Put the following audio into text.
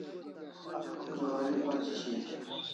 Juari pachi shian